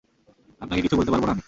আপনাকে কিছু বলতে পারবো না আমি।